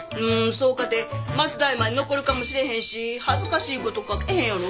そうかて末代まで残るかもしれへんし恥ずかしいこと書けへんやろ。